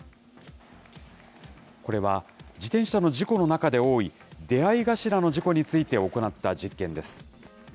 これは自転車の事故の中で多い、出会い頭の事故について行った実験です。